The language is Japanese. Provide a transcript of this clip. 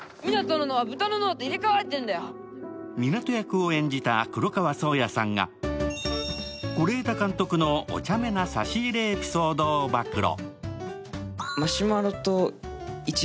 湊役を演じた黒川想矢さんが是枝監督のおちゃめな差し入れエピソードを暴露。